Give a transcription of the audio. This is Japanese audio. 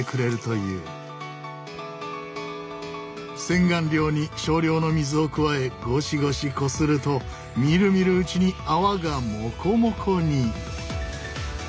洗顔料に少量の水を加えゴシゴシこするとみるみるうちに泡がモコモコに！